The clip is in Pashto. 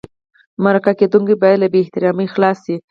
مرکه کېدونکی باید له بې احترامۍ خلاص شي.